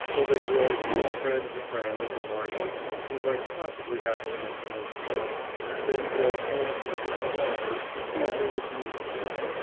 So they drove from friend to friend of the Marshes who might possibly have some information; then drove home to Mrs. Prawser's to see if there was news.